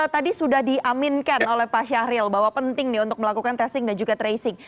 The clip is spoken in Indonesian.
tadi sudah diaminkan oleh pak syahril bahwa penting nih untuk melakukan testing dan juga tracing